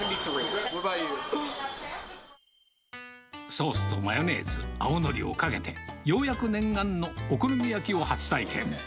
ソースとマヨネーズ、青のりをかけて、ようやく念願のお好み焼きを初体験。